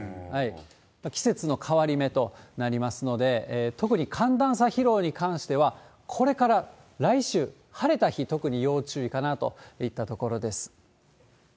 季節の変わり目となりますので、特に寒暖差疲労に関しては、これから来週、晴れた日、特に要注意かなといったところです。